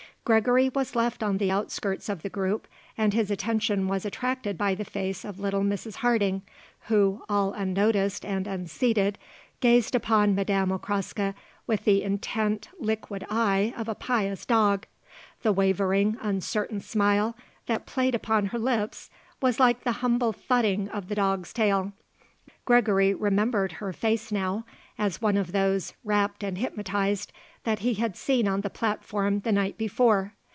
Gregory was left on the outskirts of the group and his attention was attracted by the face of little Mrs. Harding, who, all unnoticed and unseated, gazed upon Madame Okraska with the intent liquid eye of a pious dog; the wavering, uncertain smile that played upon her lips was like the humble thudding of the dog's tail. Gregory remembered her face now as one of those, rapt and hypnotized, that he had seen on the platform the night before.